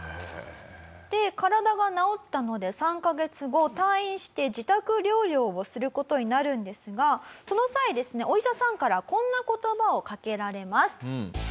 で体が治ったので３カ月後退院して自宅療養をする事になるんですがその際ですねお医者さんからこんな言葉をかけられます。